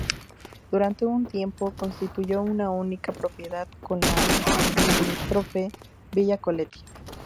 Durante un tiempo, constituyó una única propiedad con la limítrofe villa Coletti.